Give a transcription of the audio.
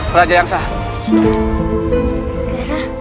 peran aja yang sah